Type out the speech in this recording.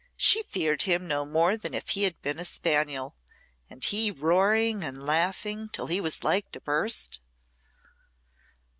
She feared him no more than if he had been a spaniel and he roaring and laughing till he was like to burst."